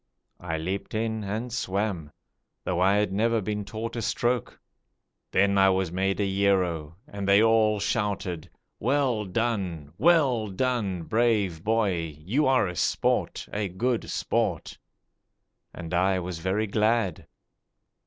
I leaped in and swam, though I had never been taught a stroke. Then I was made a hero, and they all shouted: 'Well done! Well done, Brave boy, you are a sport, a good sport!' And I was very glad.